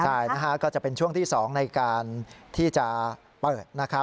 ใช่นะฮะก็จะเป็นช่วงที่๒ในการที่จะเปิดนะครับ